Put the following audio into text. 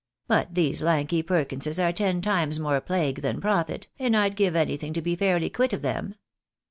But these lanky Perkinses are ten times more plague than profit, and I'd give anything to be fairly quit of them."